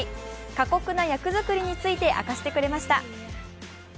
過酷な役作りについて明かしてくれました。